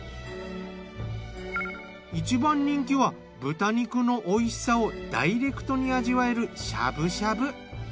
一番人気は豚肉のおいしさをダイレクトに味わえるしゃぶしゃぶ。